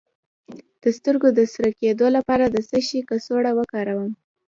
د سترګو د سره کیدو لپاره د څه شي کڅوړه وکاروم؟